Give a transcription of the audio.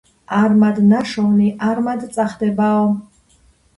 არმად ნაშოვნი არმად წახდებაო